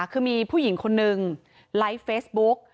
คือมีผู้หญิงคนนึงไลฟ์เฟซบุ๊ก